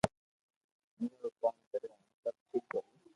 آپرو ڪوم ڪريو ھين سب ٺيڪ ھويو